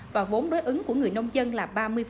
và vốn đối ứng của người nông dân là ba mươi